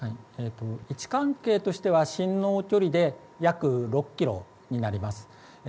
位置関係としては震央距離で約６キロになります。